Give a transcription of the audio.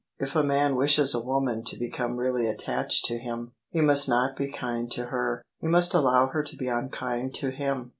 If a man wishes a woman to become really attached to him, he must not be kind to her — ^he must allow her to be unkind to him.